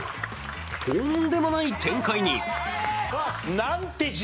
とんでもない展開に。